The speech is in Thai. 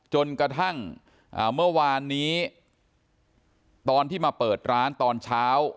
จนกระทั่งเมื่อวานนี้ตอนที่มาเปิดร้านตอนเช้า